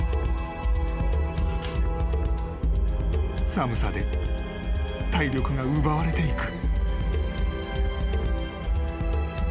［寒さで体力が奪われていく］